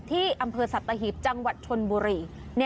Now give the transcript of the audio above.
ที่อำเภอสัตหีบจังหวัดชนบุรี